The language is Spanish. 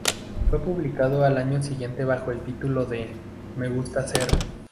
Fue publicado al año siguiente bajo el título de "Me gusta ser".